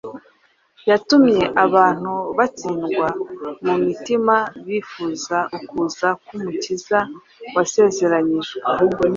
yatumye abantu batsindwa mu mitima bifuza ukuza k’Umukiza wasezeranyijwe.